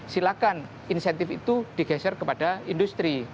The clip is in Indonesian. silakan insentif itu digeser kepada industri